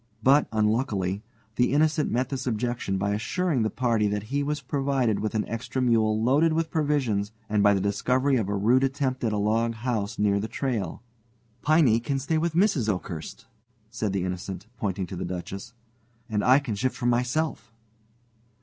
But, unluckily, the Innocent met this objection by assuring the party that he was provided with an extra mule loaded with provisions and by the discovery of a rude attempt at a log house near the trail. "Piney can stay with Mrs. Oakhurst," said the Innocent, pointing to the Duchess, "and I can shift for myself."